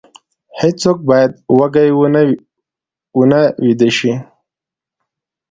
هیڅوک باید وږی ونه ویده شي.